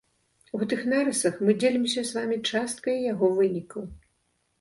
У гэтых нарысах мы дзелімся з вамі часткай яго вынікаў.